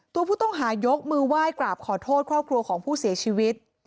ตัวผู้ต้องหายกมือไหว้กราบขอโทษครอบครัวของผู้เสียชีวิต